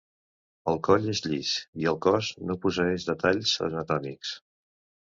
El coll és llis i el cos no posseeix detalls anatòmics.